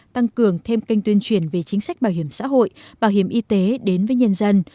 tăng cường thêm kênh tuyên truyền về chính sách bảo hiểm xã hội bảo hiểm y tế đến với nhân dân